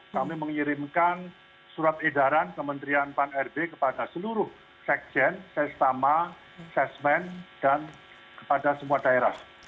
kami mengirimkan surat edaran kementerian pan rb kepada seluruh sekjen sestama sesmen dan kepada semua daerah